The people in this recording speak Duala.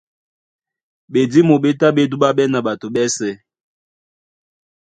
Ɓedímo ɓé tá ɓé dúɓáɓɛ́ na ɓato ɓɛ́sɛ̄.